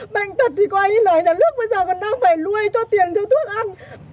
bệnh thật thì qua như là lúc bây giờ còn đang phải luôi cho tiền cho thuốc ăn